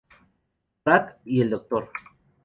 Pratt y el Dr.